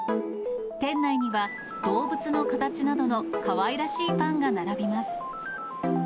店内には、動物の形などのかわいらしいパンが並びます。